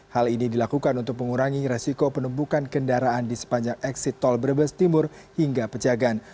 hal ini dilakukan untuk mengurangi resiko penumpukan kendaraan di sepanjang eksit tol brebes timur hingga pejagan